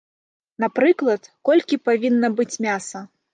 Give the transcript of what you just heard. Напрыклад, колькі павінна быць мяса.